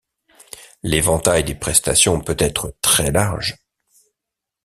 L’éventail des prestations peut être très large.